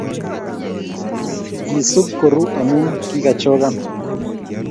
Kisub kuru amo kikachokan.